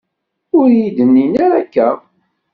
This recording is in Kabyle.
Ur iyi-d-nnin ara akka.